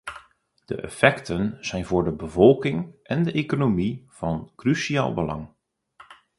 De effecten zijn voor de bevolking en de economie van cruciaal belang.